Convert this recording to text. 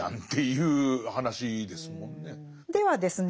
ではですね